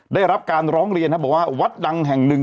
ได้รับการร้องเรียนบอกว่าวัดดังแห่งหนึ่ง